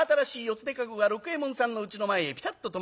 手駕籠が六右衛門さんのうちの前へぴたっと止まりまして。